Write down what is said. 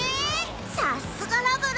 さすがラブル！